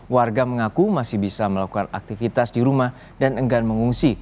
warga mengaku masih bisa melakukan aktivitas di rumah dan enggan mengungsi